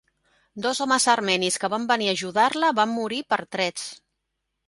Dos homes armenis que van venir a ajudar-la van morir per trets.